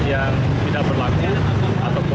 yang tidak berlaku atau berlaku